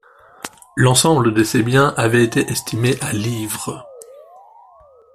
L'ensemble de ces biens avait été estimés à livres.